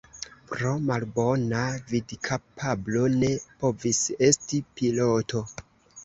Pro malbona vidkapablo ne povis esti piloto.